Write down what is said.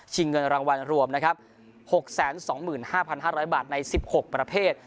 ชิงเงินรางวัลรวมนะครับหกแสนสองหมื่นห้าพันห้าร้อยบาทในสิบหกประเภท